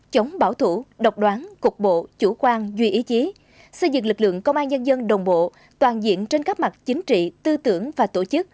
chống bảo thủ độc đoán cục bộ chủ quan duy ý chí xây dựng lực lượng công an nhân dân đồng bộ toàn diện trên các mặt chính trị tư tưởng và tổ chức